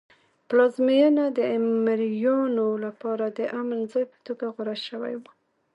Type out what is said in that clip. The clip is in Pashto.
پلازمېنه د مریانو لپاره د امن ځای په توګه غوره شوی و.